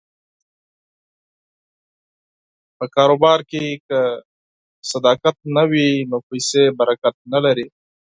په تجارت کې که صداقت نه وي، نو پیسې برکت نه لري.